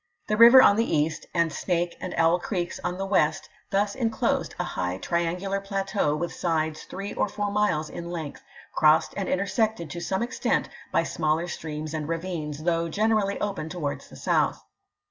The river on the east, and Snake and Owl creeks on the west, thus inclosed a high triangular plateau with sides three or four miles in length, crossed and intersected to some extent by smaller streams and ravines, though generally open towards the south.